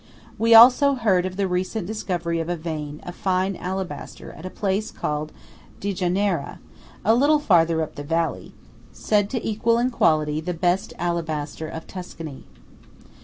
We also heard of the recent discovery of a vein of fine alabaster at a place called Digonera, a little farther up the valley, said to equal in quality the best alabaster of Tuscany.